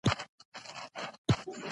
دا پکې وو او دا پکې نه وو متل د غل کیسه ده